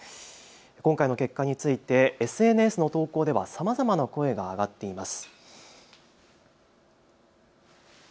今回の結果についてＳＮＳの投稿ではさまざまな声が上がっています。